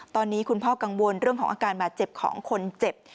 ตอนนี้คุณพ่อกังวลเรื่องของอาการบาดเจ็บของคนเจ็บ